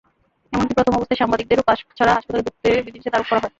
এমনকি প্রথম অবস্থায় সাংবাদিকদেরও পাস ছাড়া হাসপাতালে ঢুকতে বিধিনিষেধ আরোপ করা হয়।